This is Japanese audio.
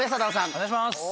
お願いします。